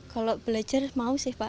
kalau belajar mau sih pak